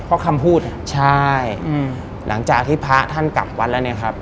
เพราะคำพูดอ่ะใช่อืมหลังจากที่พระท่านกลับวัดแล้วเนี่ยครับ